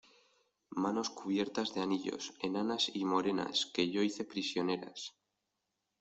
manos cubiertas de anillos, enanas y morenas , que yo hice prisioneras.